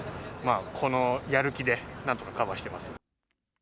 このやる気で、なんとかカバーしてます。